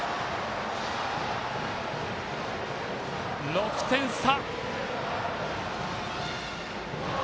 ６点差。